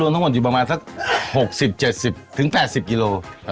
ทั้งหมดอยู่ประมาณสักฝรั่งของ๖๐๗๐ถึง๘๐กิโละ